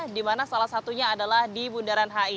di mana salah satunya adalah di bundaran hi